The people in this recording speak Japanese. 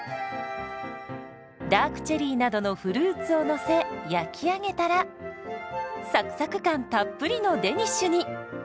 ダークチェリーなどのフルーツをのせ焼き上げたらサクサク感たっぷりのデニッシュに。